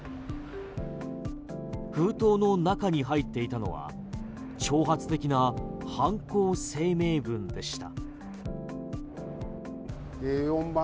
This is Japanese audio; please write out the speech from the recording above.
封筒の中に入っていたのは挑発的な犯行声明文でした。